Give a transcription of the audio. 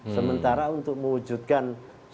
sementara untuk mewujudkan